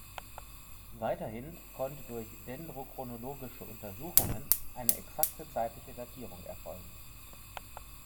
Weiterhin konnte durch dendrochronologische Untersuchungen eine exakte zeitliche Datierung erfolgen.